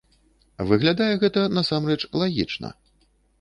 Выглядае гэта, насамрэч, лагічна.